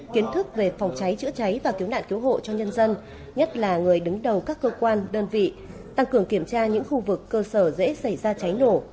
kiến thức về phòng cháy chữa cháy và cứu nạn cứu hộ cho nhân dân nhất là người đứng đầu các cơ quan đơn vị tăng cường kiểm tra những khu vực cơ sở dễ xảy ra cháy nổ